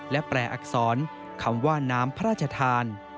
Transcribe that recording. และแปลอักษรคำว่าน้ำพระราชทาน